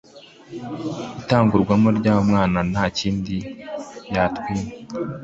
itatugomwUmwana wayo nta kind yatwimye